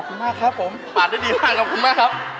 ขอบคุณมากครับผมผ่านได้ดีมากขอบคุณมากครับ